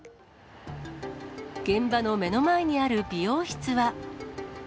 現場の目の前にある美容室は。